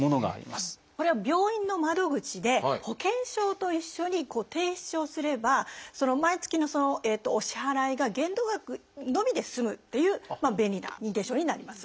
これは病院の窓口で保険証と一緒に提出をすれば毎月のお支払いが限度額のみで済むっていう便利な認定証になります。